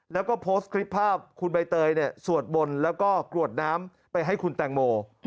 แล้วก็โพสต์คลิปภาพคุณใบเตยสวดบนแล้วก็กรวดน้ำไปให้คุณแตงโม